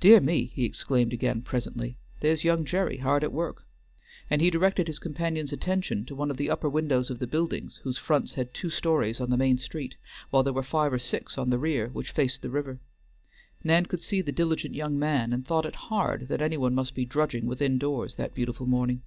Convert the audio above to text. "Dear me!" he exclaimed again presently, "there's young Gerry hard at work!" and he directed his companion's attention to one of the upper windows of the buildings whose fronts had two stories on the main street, while there were five or six on the rear, which faced the river. Nan could see the diligent young man and thought it hard that any one must be drudging within doors that beautiful morning.